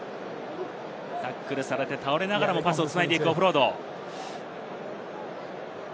タックルされて倒れながらも、パスを繋いでいくオフロード。